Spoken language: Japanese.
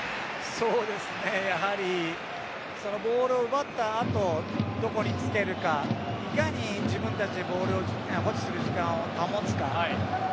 そうですねやはりボールを奪った後どこにつけるかいかに自分たちでボールを保持する時間を保つか。